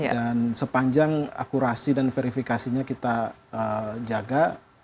dan sepanjang akurasi dan verifikasinya kita jaga